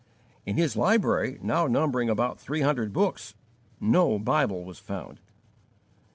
In his library, now numbering about three hundred books, no Bible was found.